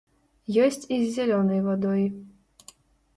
Ёсць і з зялёнай вадой.